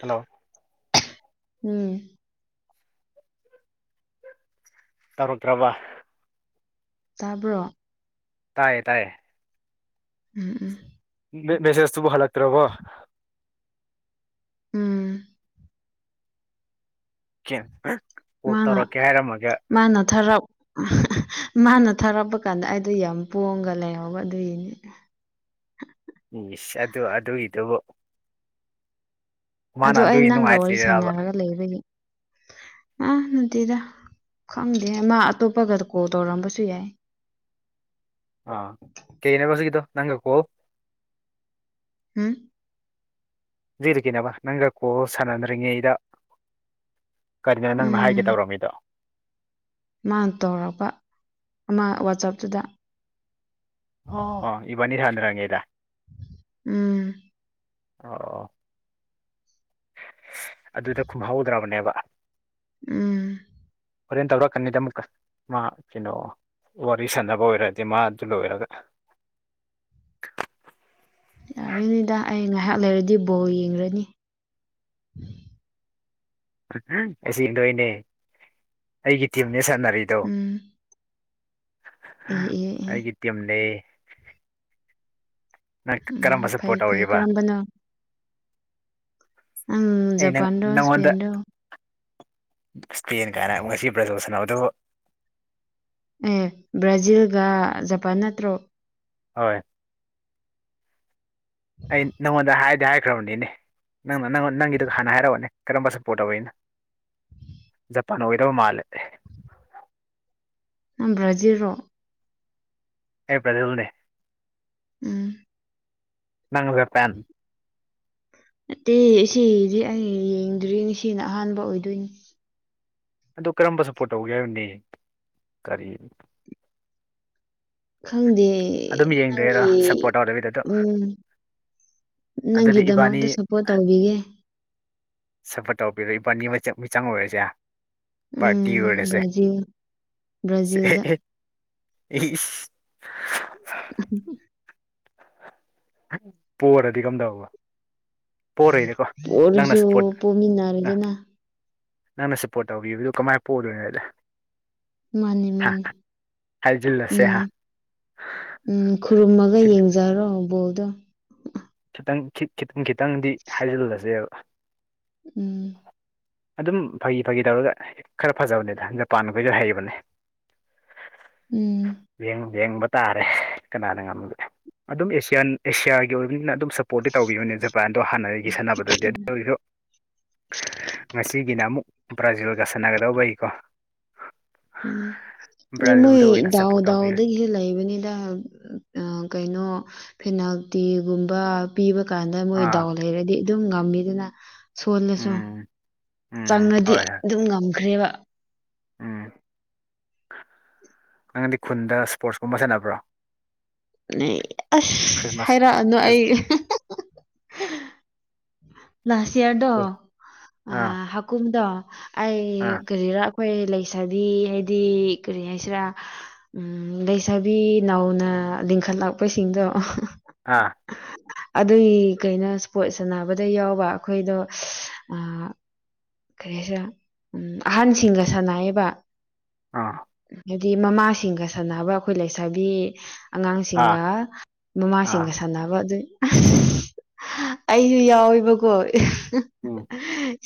hello ꯎꯝ ꯇꯧꯔꯛꯇ꯭ꯔꯕ ꯇꯥꯕ꯭ꯔꯣ ꯇꯥꯏꯌꯦ ꯇꯥꯏꯌꯦ ꯎꯝ ꯎꯝ ꯃꯦꯁꯦꯁꯇꯨꯕꯨ ꯍꯜꯂꯛꯇ꯭ꯔꯕꯣ ꯎꯝ ꯀ ꯃꯥꯅ ꯃꯥꯅ ꯊꯔꯥꯎ ꯃꯥꯅ ꯊꯥꯔꯛꯄ ꯀꯥꯟꯗ ꯑꯩꯗꯣ ꯌꯥꯝ ꯄꯣꯝꯒ ꯂꯩꯍꯧꯕ ꯑꯗꯨꯏꯅꯤ ꯏ ꯑ ꯑꯗꯨ ꯑꯗꯨ ꯏꯕꯨ ꯑ ꯑꯩ ꯅꯪꯒ ꯋꯥꯔꯤ ꯅꯨꯡꯉꯥꯏꯇ꯭ꯔꯤꯔꯕ ꯁꯥꯟꯅꯔꯒ ꯂꯩꯕꯅꯤ ꯑꯥ ꯅꯨꯡꯇꯤꯗ ꯈꯪꯗꯦ ꯃꯥ ꯑꯇꯣꯞꯄꯒ ꯀꯣꯜ ꯇꯧꯔꯝꯕꯁꯨ ꯌꯥꯏ ꯑ ꯀꯩꯩꯅ ꯐꯁ ꯀꯗꯣ ꯅꯪꯦ ꯀꯣ ꯍꯥꯝ ꯖꯤꯔꯤ ꯀꯦꯕ ꯅꯪꯒ ꯀꯣ ꯁꯥꯟꯅꯗ꯭ꯔꯤꯉꯩꯗ ꯀꯔꯤꯅꯣ ꯅꯪꯅ ꯍꯥꯏꯒꯦ ꯎꯝ ꯇꯧꯔꯝꯃꯤꯗꯣ ꯃꯥꯅ ꯇꯧꯔꯛꯄ ꯑꯃ ꯋꯥꯆꯞꯇꯨꯗ ꯑꯣ ꯏꯕꯅꯤꯔꯟ꯭ꯔ ꯍꯪꯦꯗ ꯎꯝ ꯑ ꯑꯗꯨꯗ ꯈꯨꯝꯍꯧꯗ꯭ꯔꯕꯅꯦꯕ ꯎꯝ ꯐꯣꯔꯦꯟ ꯇꯧꯔ ꯀꯅꯤꯗ ꯆꯤꯟꯅ ꯋꯥꯔꯤ ꯁꯥꯟꯅꯕ ꯑꯣꯏꯔꯗꯤ ꯃꯥ ꯑꯗꯨ ꯂꯣꯏꯔꯒ [unintelligible] ꯌꯥꯔꯅꯤꯗ ꯑꯩ ꯉꯥꯏꯍꯥꯛ ꯂꯩꯔꯗꯤ ꯕꯣꯜ ꯌꯦꯡꯈ꯭ꯔꯅꯤ ꯑꯁꯤꯁꯤ ꯏꯗꯣꯅꯦ ꯑꯩꯇ ꯅꯦ ꯁꯥꯟꯅꯔꯤꯗꯣ ꯎꯝ ꯑꯦ ꯑꯦ ꯑꯦ ꯑꯩꯒꯤ ꯇꯤꯝ ꯂꯩ ꯎꯝ ꯀꯔꯝꯕ ꯐꯩ ꯁꯞꯄꯣꯔꯠ ꯐꯩ ꯇꯧꯔꯤꯕ ꯀꯔꯝꯕꯅꯣ ꯎꯝ ꯑꯩ ꯅꯪ ꯖꯄꯥꯟꯗꯣ ꯅꯪꯉꯣꯟꯗ ꯁꯄꯦꯟꯟꯗꯣ ꯏꯁꯄꯦꯟ ꯀꯥꯏꯅ ꯉꯁꯤ ꯭ꯔꯖꯣꯁꯟ ꯑꯗꯨ ꯑꯦ ꯕ꯭ꯔꯥꯖꯤꯜꯒ ꯖꯄꯥꯟ ꯅꯠꯇ꯭ꯔꯣ ꯍꯣꯏ ꯑꯩ ꯅꯪꯉꯣꯟꯗ ꯍꯥꯏꯗꯤ ꯍꯥꯏꯈ꯭ꯔꯕꯅꯤꯅꯦ ꯅꯪꯅ ꯅꯪ ꯅꯪꯒꯤꯗꯨ ꯍꯥꯟꯅ ꯍꯥꯏꯔꯛꯑꯣꯅꯦ ꯀꯔꯝꯕ ꯁꯞꯄꯣꯔꯠ ꯇꯧꯧꯕꯩꯅꯣ ꯖꯄꯥꯟ ꯑꯣꯏꯗꯕ ꯃꯥꯜꯂꯦ ꯭ꯔꯖꯤꯜꯣ ꯑꯦ ꯄ꯭ꯔꯖꯜꯅꯦꯦ ꯎꯝ ꯅ ꯄꯦꯟ ꯅꯠꯇꯦ ꯏꯗꯤ ꯑꯩ ꯌꯦꯡꯗ꯭ꯔꯤ ꯉꯁꯤꯅ ꯑꯍꯥꯟꯕ ꯑꯣꯏꯗꯣꯏꯅꯤ ꯑꯗꯨ ꯀꯔꯝꯕ ꯁꯞꯄꯣꯔꯠ ꯇꯧꯒꯦ ꯍꯥꯏꯕꯅꯦ ꯀꯔꯤ ꯈꯪꯗꯦ ꯑꯗꯨꯝ ꯌꯦꯡꯗꯣꯏꯔꯥ ꯅꯪꯒꯤ ꯁꯞꯄꯣꯔꯠ ꯇꯧꯗꯕꯤꯗ ꯑꯗꯣ ꯎꯝ ꯑꯗꯨꯗꯤ ꯅꯪꯒꯤꯗꯃꯛꯇ ꯁꯞꯄꯣꯔꯠ ꯇꯧꯕꯤꯒꯦ ꯁꯄꯣꯠ ꯇꯧꯕꯤꯔꯣ ꯏꯕꯥꯅꯤ ꯃꯤꯆꯪ ꯑꯣꯏꯔꯁꯦ ꯄꯥꯔꯇꯤ ꯎꯝ ꯑꯣꯏꯁꯦ ꯕ꯭ꯔꯥꯖꯤꯜ ꯕ꯭ꯔꯥꯖꯤꯜꯗ ꯏ [unintelligible] ꯄꯔꯗꯤ ꯀꯝꯗꯎꯕ ꯄꯔꯣꯏꯗꯤꯀꯣ ꯄꯣꯔꯁꯨ ꯅꯪꯅꯁꯨ ꯄꯣꯔꯠꯇ ꯑ ꯄꯣꯃꯤꯟꯅꯔꯦꯗꯅ ꯅꯪꯅ ꯁꯞꯄꯣꯔꯠ ꯇꯧꯕꯤꯕꯗꯨ ꯀꯃꯥꯏꯅ ꯄꯣꯛꯎꯗꯣꯏꯅꯣ ꯍꯥꯏꯗ ꯃꯥꯅꯤ ꯃꯥꯅꯤ ꯍꯥꯏꯖꯤꯜꯂꯁꯦ ꯎꯝ ꯍꯥ ꯎꯝ ꯈꯨꯔꯨꯝꯃꯒ ꯈꯤ- ꯌꯦꯡꯖꯔꯣ ꯕꯣꯗꯣ ꯈꯤꯇꯪ ꯈꯤꯇꯪ ꯈꯤꯇꯪꯗꯤ ꯍꯥꯏꯖꯤꯜꯂꯁꯦꯕ ꯎꯝ ꯑꯗꯨꯝ ꯐꯥꯒꯤ ꯐꯥꯒꯤ ꯇꯧꯔꯒ ꯍꯦꯛ ꯈꯔ ꯐꯖꯕꯅꯦꯗ ꯖꯄꯥꯟꯈꯣꯏꯁꯨ ꯍꯩꯕꯅꯦ ꯎꯝ ꯦꯡ ꯦꯡ ꯇꯥꯔꯦ ꯀꯅꯥꯅ ꯉꯝꯒꯦ ꯑꯗꯨꯝ ꯑꯦꯁꯤꯌꯥ ꯑꯦꯁꯤꯌꯥꯒꯤ ꯑꯣꯏꯕꯅꯤꯅ ꯑꯗꯨꯝ ꯁꯞꯄꯣꯔꯠꯇꯤ ꯇꯧꯕꯤꯈꯤꯕꯅꯦ ꯎꯄꯥꯏꯟꯗꯣ ꯍꯥꯟꯅꯒꯤ ꯁꯟꯅꯅꯕꯗꯗꯤ ꯑꯗꯨ ꯑꯣꯏꯁꯨ ꯒꯤꯅ ꯑꯃꯨꯛ ꯕ꯭ꯔꯥꯖꯤꯜꯒ ꯁꯥꯟꯅꯒꯗꯧꯕꯩꯀꯣ ꯎꯝ ꯑꯦ ꯃꯣꯏ ꯑꯣꯏꯅ ꯗꯥꯎ ꯁꯞꯄꯣꯔꯠ ꯇꯧꯕꯤꯔ ꯗꯥꯎꯗꯒꯤꯁꯨꯦ ꯂꯩꯕꯅꯤꯗ ꯑ ꯀꯩꯅꯣ ꯑꯗꯨ ꯐꯦꯅꯥꯜꯇꯤꯒꯨꯝꯕ ꯄꯤꯕ ꯀꯥꯟꯗ ꯃꯣꯏ ꯑꯥ ꯗꯥꯎ ꯂꯩꯔꯗꯤ ꯑꯗꯨꯝ ꯉꯝꯃꯤꯗꯅ ꯁꯣꯜꯂꯁꯨ ꯎꯝ ꯎꯝ ꯆꯪꯉꯗꯤ ꯍꯣꯏ ꯍꯣꯏ ꯑꯗꯨꯝ ꯉꯝꯈ꯭ꯔꯦꯕ ꯎꯝ ꯍ [unintelligible] ꯅꯪꯗꯤ ꯈꯨꯟꯗ ꯏꯁꯄꯣꯔꯠꯁꯀꯨꯝꯕ ꯁꯥꯟꯅꯕ꯭ꯔꯣ ꯑꯁ ꯈ꯭ꯔꯤꯁꯃꯥꯁ ꯍꯥꯏꯔꯛꯑꯅꯨ ꯑꯩ ꯁꯤꯌꯥꯗꯣ ꯑꯥ ꯍꯥꯀꯨꯝꯗꯣ ꯑꯩ ꯑꯥ ꯀꯔꯤꯔ ꯑꯩꯈꯣꯏ ꯂꯩꯁꯥꯕꯤ ꯍꯥꯏꯗꯤ ꯀꯔꯤ ꯍꯥꯏꯁꯤꯔꯥ ꯂꯩꯁꯥꯕꯤ ꯅꯧꯅ ꯂꯤꯡꯈꯠꯂꯛꯄꯁꯤꯡꯗꯣ ꯑꯥ ꯑꯗꯨꯒꯤ ꯀꯩꯅꯣ ꯏꯁꯄꯣꯔꯠ ꯁꯥꯟꯅꯕꯗ ꯌꯥꯎꯕ ꯑꯩꯈꯣꯏꯗꯣ ꯀꯔꯤꯁꯤꯔ ꯎ ꯑꯍꯟꯁꯤꯡꯒ ꯁꯥꯟꯅꯑꯕ ꯑꯥ ꯍꯥꯏꯗꯤ ꯃꯃꯥꯁꯤꯡꯒ ꯁꯥꯟꯅꯕ ꯑꯩꯈꯣꯏ ꯂꯩꯁꯥꯕꯤ ꯑꯥ ꯑꯉꯥꯡꯁꯤꯡꯒ ꯑꯥ ꯃꯃꯥꯁꯤꯡꯒ ꯁꯥꯟꯅꯕ ꯑꯗꯨ ꯑꯩꯁꯨ ꯌꯥꯎꯋꯦꯕꯀꯣ ꯎꯝ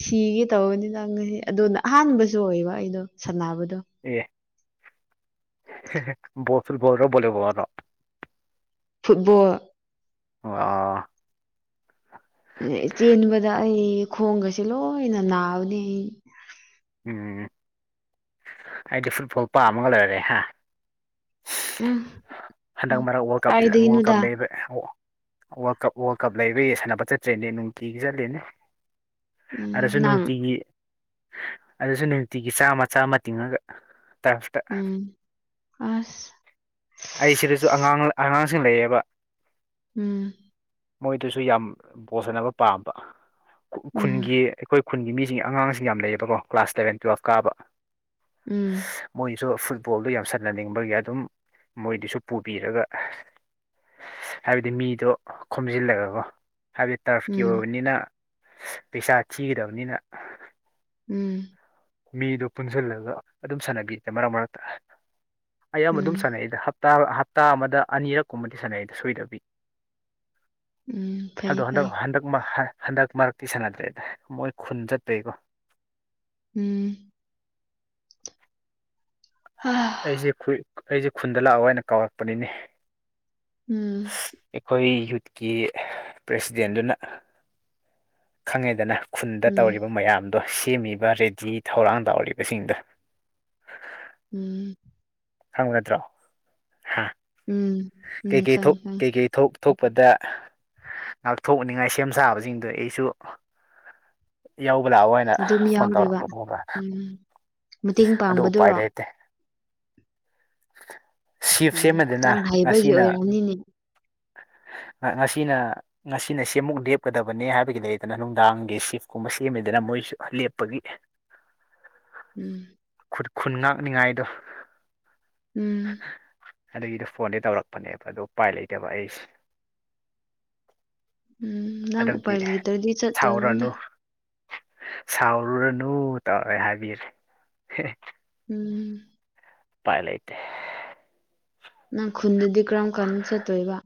ꯁꯤꯒꯤ ꯇꯧꯅꯤ ꯅꯪ ꯑꯗꯨꯅ ꯑꯍꯥꯟꯕꯁꯨ ꯑꯣꯏꯌꯦꯕ ꯑꯩꯗꯣ ꯁꯥꯟꯅꯕꯗ ꯑꯦ ꯣꯁꯜ ꯣꯔꯅꯣꯕꯅꯣ ꯐꯨꯠꯕꯣꯜ ꯋꯥ ꯆꯦꯟꯕꯗ ꯑꯩ ꯈꯣꯡꯒꯁꯦ ꯂꯣꯏꯅ ꯅꯥꯕꯅꯤ ꯑꯩ ꯎꯝ ꯑꯩꯗꯤ ꯐꯨꯠꯕꯣꯜ ꯄꯥꯝꯃꯒ ꯂꯩꯔꯦ ꯍꯥ ꯎꯝ ꯍꯟꯗꯛ ꯎꯝ ꯃꯔꯛ ꯋꯥꯔꯜ ꯀꯞ ꯏꯂ ꯋꯥꯔꯜ ꯀꯞ ꯀꯥꯏꯗꯒꯤꯅꯣꯗ ꯂꯩꯕ ꯑꯣ ꯋꯥꯔꯜ ꯀꯞ ꯋꯥꯔꯜ ꯀꯞ ꯂꯩꯕ ꯌꯥ ꯁꯥꯟꯅꯕ ꯆꯠꯇ꯭ꯔꯦꯅꯦ ꯅꯨꯡꯇꯤꯒꯤ ꯆꯠꯂꯦꯅꯦ ꯎꯝ ꯑꯁꯨ ꯅꯪ ꯅꯨꯡꯇꯤꯒꯤ ꯑꯗꯨꯁꯨ ꯅꯨꯡꯇꯤꯒꯤ ꯆꯥꯝꯃ ꯆꯥꯝ ꯑꯃ ꯇꯤꯡꯉꯒ ꯇꯔꯞꯇ ꯎꯝ ꯑꯁ ꯑꯩ ꯁꯤꯗꯁꯨ ꯑꯉꯥꯡ ꯑꯉꯥꯡꯁꯤꯡ ꯂꯩꯌꯦꯕ ꯎꯝ ꯃꯣꯏꯗꯨꯁꯨ ꯌꯥꯝ ꯄꯣꯁꯟꯅꯕ ꯄꯥꯝꯕ ꯎꯝ ꯈꯨꯟꯒꯤ ꯑꯩꯈꯣꯏ ꯈꯨꯟꯒꯤ ꯃꯤꯁꯤꯡ ꯑꯉꯥꯡꯁꯤꯡ ꯌꯥꯝ ꯂꯩꯔꯕꯀꯣ ꯀ꯭ꯂꯥꯁ ꯁꯂꯕꯦꯟ ꯇꯨꯌꯦꯜꯞ ꯀꯥꯕ ꯎꯝ ꯁꯨ ꯐꯨꯠꯕꯣꯜꯗ ꯌꯥꯝ ꯁꯥꯟꯅꯅꯤꯡꯕꯒꯤ ꯑꯗꯨꯝ ꯃꯣꯏꯗꯨꯁꯨ ꯄꯨꯕꯤꯔꯒ ꯍꯥꯏꯕꯗꯤ ꯃꯤꯗꯣ ꯈꯣꯝꯖꯤꯜꯂꯒꯀꯣ ꯍꯥꯏꯕꯗꯤ ꯇꯔꯐꯀꯤ ꯎꯝ ꯑꯣꯏꯕꯅꯤꯅ ꯄꯩꯁꯥ ꯊꯤꯒꯗꯕꯅꯤꯅ ꯎꯝ ꯃꯤꯗꯣ ꯄꯨꯟꯁꯤꯜꯂꯒ ꯑꯗꯨꯝ ꯁꯥꯟꯅꯕꯤꯗꯦ ꯃꯔꯛ ꯃꯔꯛꯇ ꯑꯩꯌꯥꯝ ꯑꯗꯨꯝ ꯎꯝ ꯁꯥꯟꯅꯩꯗ ꯞꯇꯥ ꯍꯞꯇꯥ ꯑꯃꯗ ꯑꯅꯤꯔꯛ ꯀꯨꯝꯕꯗꯤ ꯁꯥꯟꯅꯩꯗ ꯁꯣꯏꯗꯕꯤ ꯎꯝ ꯍꯗꯣ ꯐꯩ ꯍꯟꯗꯛ ꯐꯩ ꯍꯟꯗꯛ ꯃꯥ ꯍꯟꯗꯛ ꯃꯔꯛꯇꯤ ꯁꯥꯟꯅꯗ꯭ꯔꯦꯗ ꯃꯣꯏ ꯈꯨꯟ ꯆꯠꯇ꯭ꯔꯦꯀꯣ ꯎꯝ ꯎꯝ ꯑꯩꯁꯦ ꯑꯩꯁꯦ ꯈꯨꯟꯗ ꯂꯥꯛꯑꯣ ꯍꯥꯏꯅ ꯀꯥꯎꯔꯛꯄꯅꯤꯅꯦ ꯑꯩꯈꯣꯏ ꯌꯨꯠꯀꯤ ꯄ꯭ꯔꯦꯁꯤꯗꯦꯟꯗꯨꯅ ꯈꯪꯉꯦꯗꯅ ꯈꯨꯟꯗ ꯎꯝ ꯇꯧꯔꯤꯕ ꯃꯌꯥꯝ ꯑꯗꯣ ꯁꯦꯝꯃꯤꯕ ꯔꯦꯗꯤ ꯊꯧꯔꯥꯡ ꯇꯧꯔꯤꯕꯁꯤꯡꯗꯣ ꯎꯝ ꯈꯪꯒꯗ꯭ꯔꯣ ꯍꯥ ꯎꯝ ꯀꯩ ꯎꯝ ꯀꯩ ꯊꯣꯛ ꯈꯪꯉꯤ ꯈꯪꯉꯤ ꯀꯩ ꯀꯩ ꯊꯣꯛ ꯥꯊꯣꯛꯄꯗ ꯉꯥꯛꯊꯣꯛꯅꯤꯡꯉꯥꯏ ꯁꯦꯝ ꯁꯥꯕꯁꯤꯡꯗꯣ ꯑꯩꯁꯨ ꯌꯥꯎꯧꯕ ꯂꯥꯛꯑꯣ ꯍꯥꯏꯅ ꯑꯗꯨꯝ ꯐꯣꯟ ꯌꯥꯎꯔꯤꯕ ꯇꯧꯔꯛꯄꯒꯨꯝꯕ ꯎꯝ ꯃꯇꯦꯡ ꯄꯥꯡꯕꯗꯨꯔꯣ ꯁꯤꯞ ꯎꯝ ꯁꯦꯝꯃꯗꯅ ꯅꯪ ꯍꯩꯕꯒꯤ ꯉꯁꯤꯅ ꯑꯣꯏꯔꯝꯅꯤꯅꯦ [unintelligible] [inaudible] ꯉꯁꯤꯅ ꯉꯁꯤꯅ ꯁꯦꯝꯃꯨꯛ ꯂꯦꯞꯀꯗꯕꯅꯤ ꯍꯥꯏꯕꯒꯤ ꯂꯩꯗꯅ ꯅꯨꯡꯗꯥꯡꯒꯤ ꯁꯤꯐꯀꯨꯝꯕ ꯁꯦꯝꯃꯤꯗꯅ ꯃꯣꯏꯁ ꯂꯤꯞ ꯄꯒꯤ ꯎꯝ ꯈꯨ ꯈꯨꯟ ꯉꯥꯛꯅꯤꯉꯥꯏꯗꯣ ꯎꯝ ꯑꯗꯨꯒꯤꯗꯤ ꯐꯣꯟꯗꯤ ꯇꯧꯔꯛꯄꯅꯦꯕ ꯑꯣ ꯎꯄꯥꯏ ꯂꯩꯇꯕ ꯑꯩꯁꯦ ꯎꯝ ꯅꯪ ꯑꯗꯨꯒꯤ ꯎꯄꯥꯏ ꯂꯩꯗꯗꯤ ꯆꯠꯠꯇꯗ ꯁꯥꯎꯔꯅꯨ ꯁꯥꯎꯔꯨꯔꯅꯨ ꯇꯧꯔꯦ ꯍꯥꯏꯕꯤꯔꯦ ꯎꯝ ꯄꯥꯏ ꯂꯩ ꯏꯇ ꯅꯪ ꯈꯨꯟꯗꯗꯤ ꯀꯔꯝ ꯀꯥꯟ ꯆꯠꯇꯣꯏꯕ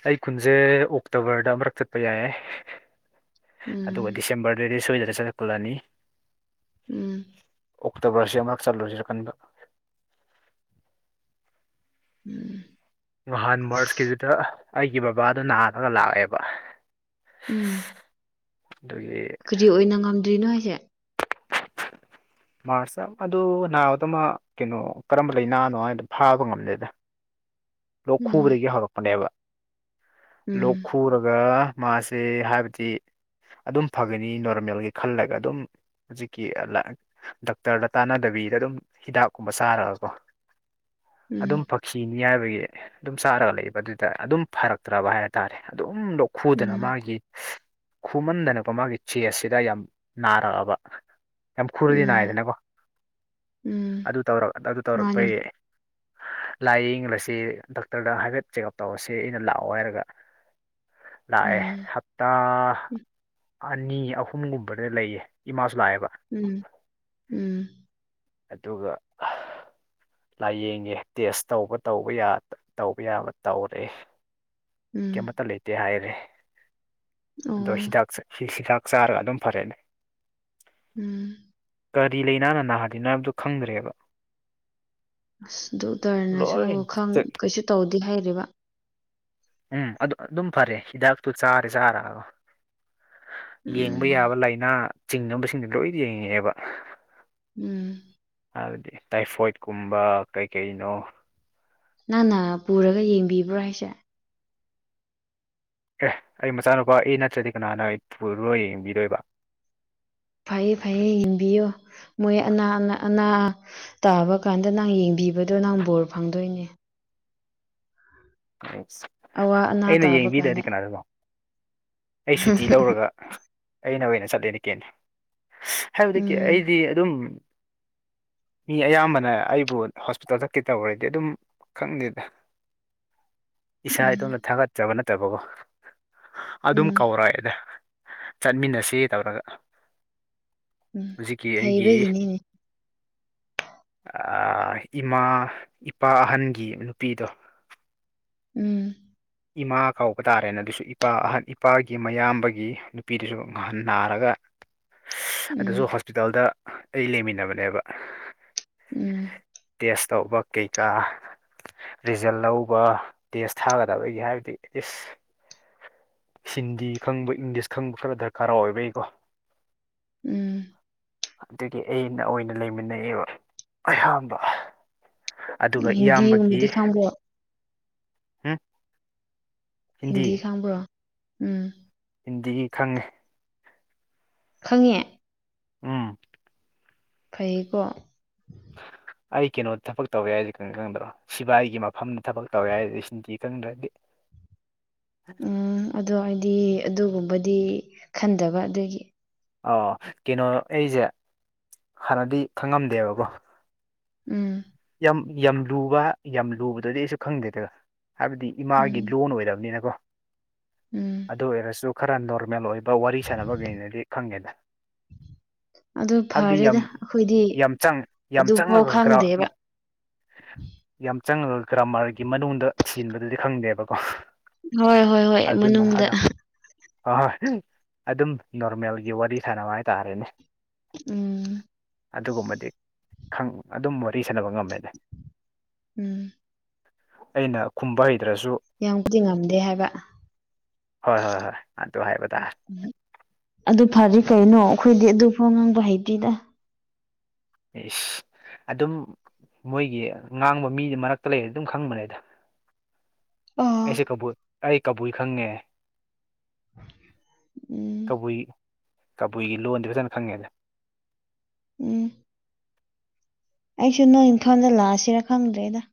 ꯁ ꯑꯩ ꯀꯨꯟꯁꯦ ꯑꯣꯛꯇꯣꯕꯔꯗ ꯑꯃꯔꯛ ꯆꯠꯄ ꯌꯥꯏꯌꯦꯦ ꯑꯗꯨꯒ ꯎꯝ ꯗꯤꯁꯦꯝꯕꯔꯗꯨꯗꯤ ꯁꯣꯏꯗꯅ ꯆꯠꯂꯛꯄꯂꯑꯅꯤ ꯎꯝ ꯑꯣꯛꯇꯣꯕꯔꯁꯤ ꯑꯃꯨ ꯆꯠꯂꯨꯔꯁꯤꯔꯀꯟꯕ ꯎꯝ ꯅꯍꯥꯟ ꯃꯥꯔꯁꯀꯤꯗꯨꯗ ꯑꯩꯒꯤ ꯕꯕꯥꯗ ꯅꯥꯔꯒ ꯂꯥꯛꯑꯦꯕ ꯎꯝ ꯑꯗꯨꯒꯤ ꯀꯔꯤ ꯑꯣꯏꯅ ꯉꯝꯗꯔ꯭ꯤꯅꯣ ꯑꯩꯁꯦ ꯃꯥꯔꯁ ꯑꯗꯨ ꯅꯥꯕꯗꯃ ꯀꯩꯅꯣ ꯀꯔꯝꯕ ꯂꯩꯥꯏꯅꯥꯅꯣ ꯍꯥꯏꯗ ꯐꯥꯕ ꯉꯝꯗꯦꯗ ꯂꯣꯛ ꯎꯝ ꯈꯨꯕꯗꯒꯤ ꯍꯧꯔꯛꯄꯅꯦꯕ ꯂꯣꯛ ꯎꯝ ꯈꯨꯔꯒ ꯃꯥꯁꯦ ꯍꯥꯏꯕꯗꯤ ꯑꯗꯨꯝ ꯐꯒꯅꯤ ꯅꯣꯔꯃꯦꯜꯒꯤ ꯈꯜꯂꯒ ꯑꯗꯨꯝ ꯍꯧꯖꯤꯛꯀꯤ ꯗꯥꯛꯇꯔ ꯂꯇꯥꯅꯗꯕꯤꯗ ꯑꯗꯨꯝ ꯍꯤꯗꯥꯛꯀꯨꯝꯕ ꯁꯥꯔꯒꯀꯣ ꯑꯗꯨꯝ ꯎꯝ ꯐꯛꯁꯤꯅꯤ ꯍꯥꯏꯕꯒꯤ ꯑꯗꯨꯝ ꯆꯥꯔꯒ ꯂꯩꯕ ꯑꯗꯨꯗ ꯑꯗꯨꯝ ꯐꯔꯛꯇ꯭ꯔꯕ ꯍꯥꯏꯇꯥꯔꯦ ꯑꯗꯨ ꯁꯨꯝ ꯂꯣꯛꯈꯨꯗꯅ ꯎꯝ ꯃꯥꯒꯤ ꯈꯨꯃꯟꯗꯅꯅꯕ ꯃꯥꯒꯤ ꯆꯦ ꯑꯁꯤꯗ ꯌꯥꯝ ꯅꯥꯔꯛꯑꯕ ꯌꯥꯝ ꯈꯨꯔꯗꯤ ꯎꯝ ꯅꯥꯏꯗꯅꯕ ꯎꯝ ꯑꯗꯨ ꯇꯧꯔꯛ ꯑꯗꯨ ꯃꯥꯅꯤ ꯇꯧꯔꯛꯄꯩ ꯂꯥꯏꯌꯦꯡꯕꯁꯤ ꯗꯣꯛꯇꯔꯗ ꯍꯥꯏꯐꯦꯠ ꯆꯦꯛꯑꯞ ꯇꯧꯔꯁꯦ ꯑꯩꯅ ꯂꯥꯛꯑꯣ ꯍꯥꯏꯔꯒ ꯥꯂꯥꯛꯑꯦ ꯎꯝ ꯍꯞꯇꯥ ꯑꯅꯤ ꯑꯍꯨꯝꯒꯨꯝꯕꯗ ꯂꯩꯌꯦ ꯏꯃꯁꯨ ꯂꯥꯛꯑꯦꯕ ꯎꯝ ꯎꯝ ꯑꯗꯨꯒ ꯂꯥꯏꯌꯦꯡꯉꯦ ꯇꯦꯁ ꯇꯧꯕ ꯇꯧꯕ ꯇꯧꯕ ꯌꯥꯕ ꯇꯧꯔꯦ ꯎꯝ ꯀꯩꯃꯇ ꯂꯩꯇꯦ ꯍꯥꯏꯔꯦ ꯑꯗꯣ ꯑꯣ ꯍꯤꯗ ꯍꯤꯗꯥꯛ ꯆꯥꯔꯒ ꯑꯗꯨꯝ ꯐꯔꯦꯅꯦ ꯎꯝ ꯀꯔꯤ ꯂꯩꯅꯥꯅ ꯅꯥꯍꯜꯂꯤꯅꯣ ꯍꯥꯏꯕꯗꯨ ꯈꯪꯗ꯭ꯔꯦꯕ ꯑꯁ ꯗꯣꯛꯇꯔꯅꯁꯨ ꯂꯣꯏ ꯈ ꯀꯩꯁꯨ ꯇꯧꯗꯦ ꯍꯥꯏꯔꯤꯕ ꯎꯝ ꯑꯗꯨ ꯑꯗꯨꯝ ꯐꯔꯦ ꯍꯤꯗꯥꯛꯇꯨ ꯆꯥꯔꯦ ꯆꯥꯔꯒ ꯌꯦꯡꯕ ꯎꯝ ꯌꯥꯕ ꯂꯥꯏꯅꯥ ꯆꯤꯡꯅꯕꯁꯤꯡꯗ ꯂꯣꯏꯅ ꯌꯦꯡꯉꯛꯑꯦꯕ ꯎꯝ ꯍꯥꯏꯕꯗꯤ ꯇꯥꯏꯐꯣꯏꯠꯀꯨꯝꯕ ꯀꯩꯀꯩꯅꯣ ꯅꯪꯅ ꯄꯨꯔꯒ ꯌꯦꯡꯕꯤꯕ꯭ꯔꯣ ꯍꯥꯏꯁꯦ ꯑꯦ ꯑꯩ ꯃꯆꯥꯅꯨꯄꯥ ꯑꯩ ꯅꯠꯇ꯭ꯔꯗꯤ ꯀꯅꯥꯅꯣ ꯑꯩ ꯄꯨꯔ ꯌꯦꯡꯕꯤꯔꯣꯏꯕ ꯐꯩꯌꯦ ꯐꯌꯦ ꯍꯤꯡꯕꯤꯌꯣ ꯃꯣꯏ ꯑꯅꯥ ꯑ ꯑꯅꯥ ꯇꯥꯕ ꯀꯥꯟꯗ ꯅꯪ ꯌꯦꯡꯕꯤꯕꯗꯣ ꯅꯪ ꯕꯣꯔ ꯐꯪꯗꯣꯏꯅꯦ ꯑꯋꯥ ꯑꯅꯥ ꯑꯩꯅ ꯇꯥꯕ ꯌꯦꯡꯕꯤꯗꯗꯤ ꯀꯥꯟꯗ ꯀꯅꯥꯗꯅꯣ ꯑꯩ ꯁꯨꯇꯤ ꯂꯧꯔꯒ ꯑꯩꯅ ꯑꯣꯏꯅ ꯆꯠꯂꯦ ꯅꯤꯀꯦꯅꯤ ꯍꯥꯏꯕꯗꯤ ꯎꯝ ꯑꯩꯗꯤ ꯑꯗꯨꯝ [inaudible] ꯃꯤ ꯑꯌꯥꯝꯕꯅ ꯑꯩꯕꯨ ꯍꯣꯁꯄꯤꯇꯥꯜ ꯈꯛꯀꯤ ꯇꯧꯔꯗꯤ ꯑꯗꯨꯝ ꯈꯪꯗꯦꯗ ꯏꯁꯥ ꯎꯝ ꯏꯇꯣꯝꯇ ꯊꯥꯒꯠꯇꯕ ꯅꯠꯇꯕꯀꯣ ꯑꯗꯨꯝ ꯎꯝ ꯀꯧꯔꯛꯑꯦꯗ ꯆꯠꯃꯤꯟꯅꯁꯤ ꯇꯧꯔꯒ ꯎꯝ ꯍꯧꯖꯤꯛꯀꯤ ꯑꯩꯒꯤ ꯍꯩꯕꯒꯤꯅꯤꯅꯦ ꯏꯃꯥ ꯏꯄꯥ ꯑꯍꯟꯒꯤ ꯅꯨꯄꯤꯗꯣ ꯎꯝ ꯏꯃꯥ ꯀꯧꯕ ꯇꯥꯔꯦꯅ ꯑꯗꯨꯁꯨ ꯏꯄꯥ ꯑꯍꯟ ꯏꯄꯥꯒꯤ ꯃꯌꯥꯝꯕꯒꯤ ꯅꯨꯄꯤꯗꯨꯁꯨ ꯉꯍꯥꯟ ꯅꯥꯔꯒ ꯑꯗꯨꯁꯨ ꯎꯝ ꯍꯣꯁꯄꯤꯇꯥꯜꯗ ꯑꯩ ꯂꯩꯃꯤꯟꯅꯕꯅꯦꯕ ꯎꯝ ꯇꯦꯁ ꯇꯧꯕ ꯀꯩꯀꯥ ꯔꯤꯖꯜ ꯂꯧꯕ ꯇꯦꯁ ꯊꯥꯒꯗ ꯀ ꯑꯩꯒꯤ ꯍꯥꯏꯕꯗꯤ ꯏꯁ ꯍꯤꯟꯗꯤ ꯈꯪꯕ ꯏꯪꯂꯤꯁ ꯈꯪꯕ ꯈꯔ ꯗꯔꯀꯥꯔ ꯑꯣꯏꯕꯒꯤꯀꯣ ꯎꯝ ꯑꯗꯨꯒꯤ ꯑꯩꯅ ꯑꯣꯏꯅ ꯂꯩꯃꯤꯟꯅꯩꯑꯦꯕ ꯑꯌꯥꯝꯕ ꯑꯗꯨꯒ ꯏꯌꯥꯝꯕꯒꯤ ꯍꯤꯟꯗꯤꯒꯨꯝꯕꯗꯤ ꯈꯪꯕ꯭ꯔꯣ ꯎꯝ ꯍꯤꯟꯗꯤ ꯈꯥꯡꯕ꯭ꯔꯣ ꯎꯝ ꯍꯤꯟꯗꯤꯒꯤ ꯈꯪꯉꯦ ꯈꯪꯉꯦ ꯎꯝ ꯐꯩꯀꯣ ꯑꯩ ꯀꯩꯅꯣꯗ ꯊꯕꯛ ꯇꯧꯔꯦ ꯍꯥꯏꯁꯦ ꯀ ꯈꯪꯗ꯭ꯔꯣ ꯁꯤꯚꯥꯏꯒꯤ ꯃꯐꯝꯗ ꯊꯕꯛ ꯇꯧꯔꯦ ꯍꯥꯏꯁꯦ ꯁꯤꯗꯤ ꯈꯪꯗ꯭ꯔꯗꯤ ꯎ ꯎꯝ ꯑꯗꯣ ꯑꯩꯗꯤ ꯑꯗꯨꯒꯨꯝꯕꯗꯤ ꯈꯟꯗꯕ ꯑꯗꯨꯒꯤ ꯑ ꯀꯩꯅꯣ ꯑꯩꯁꯦ ꯍꯥꯟꯅꯗꯤ ꯈꯪꯉꯝꯗꯦꯕꯀꯣ ꯎꯝ ꯌꯥꯝ ꯌꯥꯝ ꯂꯨꯕ ꯌꯥꯝ ꯂꯨꯕꯗꯗꯤ ꯑꯩꯁꯨ ꯈꯪꯗꯦꯗ ꯍꯥꯏꯕꯗꯤ ꯎꯝ ꯏꯃꯥꯒꯤ ꯂꯣꯟ ꯑꯣꯏꯔꯕꯅꯤꯅꯀꯣ ꯎꯝ ꯑꯗꯨ ꯑꯣꯏꯔꯁꯨ ꯈꯔ ꯅꯣꯔꯃꯦꯜ ꯑꯣꯏꯕ ꯋꯥꯔꯤ ꯁꯥꯟꯅꯕꯒꯤ ꯑꯣꯏꯅꯗꯤ ꯈꯪꯒꯦꯗ ꯎꯝ ꯑꯗꯨ ꯌꯥꯝ ꯐꯔꯦꯗ ꯑꯩꯈꯣꯏꯗꯤ ꯌꯥꯝ ꯆꯪ ꯌꯥꯝ ꯑꯗꯨꯐꯥꯎ ꯆꯪꯉꯒ ꯒ꯭ꯔꯥ ꯈꯪꯗꯦꯕ ꯌꯥꯝ ꯆꯪꯉꯒ ꯒ꯭ꯔꯥꯃꯥꯔꯒꯤ ꯃꯅꯨꯡꯗ ꯊꯟꯕꯗꯨꯗꯤ ꯈꯪꯗꯦꯕꯀꯣ ꯍꯣꯏ ꯍꯣꯏ ꯍꯣꯏ ꯃꯅꯨꯡꯗ ꯍꯣꯏ ꯍꯣꯏ ꯑꯗꯨꯝ ꯅꯣꯔꯃꯦꯜꯒꯤ ꯋꯥꯔꯤ ꯁꯥꯟꯅꯕ ꯍꯥꯏꯇꯥꯔꯦꯅꯦ ꯎꯝ ꯑꯗꯨꯒꯨꯝꯕꯗꯤ ꯑꯗꯨꯝ ꯃꯔꯤ ꯁꯦꯟꯅꯕ ꯉꯝꯃꯦꯅꯦ ꯎꯝ ꯑꯩꯅ ꯈꯨꯝꯕꯩ ꯌꯥꯝꯕꯨꯗꯤ ꯉꯝꯗꯦ ꯍꯥꯏꯕ ꯍꯣꯏ ꯍꯣꯏ ꯍꯣꯏ ꯑꯗꯨ ꯍꯥꯏꯕ ꯇꯥꯔꯦ ꯎ ꯑꯗꯨ ꯐꯔ ꯀꯩꯅꯣ ꯑꯩꯈꯣꯏꯗꯤ ꯑꯗꯨ ꯐꯣ ꯉꯥꯡꯕ ꯍꯩꯇꯦꯗ ꯏꯁ ꯑꯗꯨꯝ ꯃꯣꯏꯒꯤ ꯉꯥꯡꯕ ꯃꯤꯗꯤ ꯃꯔꯛꯇ ꯂꯩꯔꯗꯤ ꯑꯗꯨꯝ ꯈꯪꯕꯅꯦꯗ ꯑꯣ ꯑꯩꯁꯦ ꯀꯕꯨ ꯑꯩ ꯀꯕꯨꯏ ꯈꯪꯉꯦ ꯎꯝ ꯀꯕꯨꯏ ꯀꯕꯨꯏꯒꯤ ꯂꯣꯟꯗꯤ ꯐꯖꯅ ꯈꯪꯉꯦꯗ ꯎꯝ ꯑꯩꯁꯨ ꯅꯣꯏ ꯏꯪꯊꯣꯜꯗ ꯂꯥꯛꯑꯁꯤꯔ ꯈꯪꯗ꯭ꯔꯦꯗ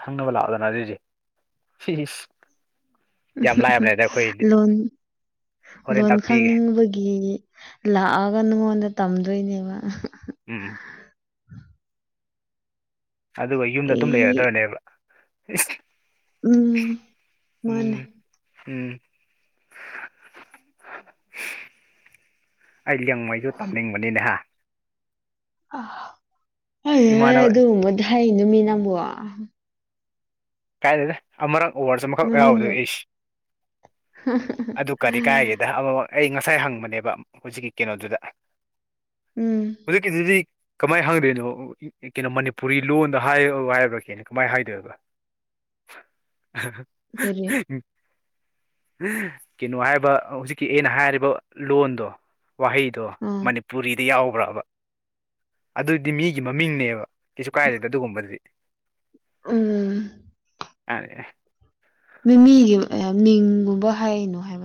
ꯈꯪꯅꯕ ꯂꯥꯛꯑꯣꯗꯅ ꯑꯗꯨꯏꯗꯤꯦ ꯁꯤ ꯎ ꯂꯣꯟ ꯍꯣꯔꯦꯟ ꯂꯣꯟ ꯇꯥꯛꯄꯤꯒꯦ ꯈꯪꯅꯤꯡꯕꯒꯤ ꯂꯒ ꯅꯣꯟꯟ꯭ꯔ ꯇꯝꯣꯣꯏꯅꯦꯕ ꯎꯝ ꯎ ꯑꯗꯨꯒ ꯌꯨꯝꯗ ꯑꯗꯨꯝ ꯑꯩ ꯂꯩꯒꯗꯕꯅꯦꯕ ꯎꯝ ꯃꯥꯅꯦ ꯎꯝ [unintelligible] ꯑꯩ ꯂꯡꯉꯩꯁꯨ ꯇꯝꯅꯤꯡꯕꯅꯤꯅꯦꯍ ꯏꯃꯥꯟꯅꯕ ꯑꯗꯨ ꯃꯗ ꯅꯨꯃꯤꯠ ꯅꯪꯕꯨ ꯀꯥꯏ ꯂꯩꯗ ꯑ ꯑꯃꯔ ꯑꯣꯋꯥꯔꯁꯨ ꯑꯃꯈꯛ ꯌꯥꯎꯕꯗꯣ ꯃꯃꯤꯡꯗꯣ ꯏꯁ ꯑꯗꯨ ꯀꯔꯤ ꯀꯥꯏꯒꯦꯗ ꯑꯃ ꯑꯩ ꯉꯁꯥꯏ ꯍꯪꯕꯅꯦꯕ ꯍꯧꯖꯤꯛꯀꯤ ꯀꯩꯅꯣꯗꯨꯗ ꯎꯝ ꯍꯧꯖꯤꯛꯀꯤꯗꯨꯗꯤ ꯀꯃꯥꯏꯅ ꯍꯪꯗꯣꯏꯅꯣ ꯀꯩꯅꯣ ꯃꯅꯤꯄꯨꯔꯤ ꯂꯣꯟꯗ ꯍꯥꯏ ꯍꯥꯏꯕ꯭ꯔꯥ ꯀꯦꯅꯦꯣ ꯀꯃꯥꯏꯅ ꯍꯥꯏꯗꯣꯏꯕ ꯀꯔꯤ [unintelligible] ꯀꯩꯅꯣ ꯍꯥꯏꯕ ꯍꯧꯖꯤꯛꯀꯤ ꯑꯩꯅ ꯍꯥꯏꯔꯤꯕ ꯂꯣꯟꯗꯣ ꯋꯥꯍꯩꯗꯣ ꯑ ꯃꯅꯤꯄꯨꯔꯤꯗ ꯌꯥꯎꯕ꯭ꯔꯕ ꯑꯗꯨꯗꯤ ꯃꯤꯒꯤ ꯃꯃꯤꯡꯅꯦꯕ ꯀꯩꯁꯨ ꯀꯥꯏꯗꯦ ꯑꯗꯨꯒꯨꯝꯕꯗꯤ ꯎꯝ ꯑꯗꯦ ꯃꯤ ꯃꯤꯒꯤ ꯃꯤꯡꯒꯨꯝꯕ ꯍꯥꯏꯅꯣ ꯍꯥꯏꯕ